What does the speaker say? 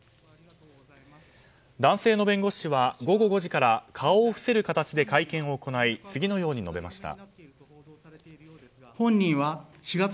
男性の弁護士は、午後５時から顔を伏せる形で会見を行い次のように述べました。